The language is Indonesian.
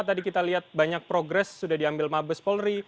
tadi kita lihat banyak progres sudah diambil mabus wolri